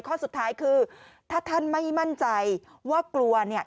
ข้อสุดท้ายคือถ้าท่านไม่มั่นใจว่ากลัวเนี่ย